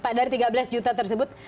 pak dari tiga belas juta tersebut